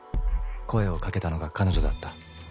声をかけたのが彼女だった。